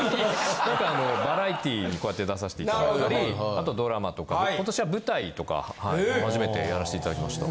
なんかバラエティにこうやって出させていただいたりあとドラマとか今年は舞台とか初めてやらせていただきました。